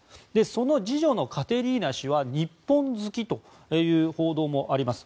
その次女のカテリーナ氏は日本好きという報道もあります。